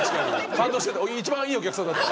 感動してた一番いいお客さんだった。